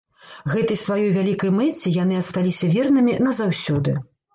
Гэтай сваёй вялікай мэце яны асталіся вернымі назаўсёды.